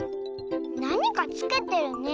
なにかつけてるね。